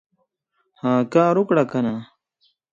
هغه کار اوکړه کنه !